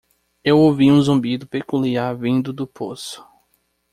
Eu ouvi um zumbido peculiar vindo do poço.